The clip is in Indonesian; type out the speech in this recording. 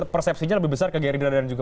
persepsinya lebih besar ke geri dara dan juga